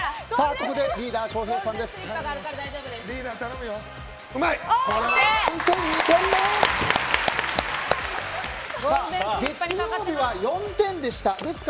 ここでリーダー翔平さんです。